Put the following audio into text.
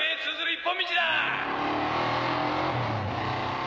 一本道だ！